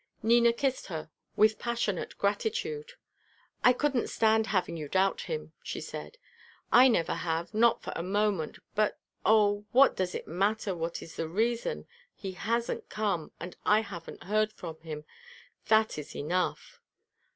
Nina kissed her with passionate gratitude. "I couldn't stand having you doubt him," she said. "I never have, not for a moment; but oh what does it matter what is the reason? He hasn't come, and I haven't heard from him. That is enough!"